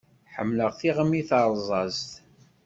Ḥemmleɣ tiɣmi tarẓazt.